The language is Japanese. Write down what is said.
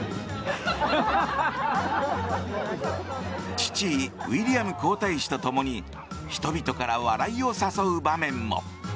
父ウィリアム皇太子と共に人々から笑いを誘う場面も。